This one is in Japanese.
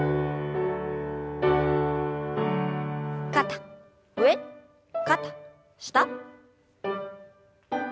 肩上肩下。